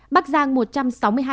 bắc giang một trăm sáu mươi hai ca